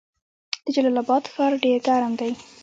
د جلال اباد ښار ډیر ګرم دی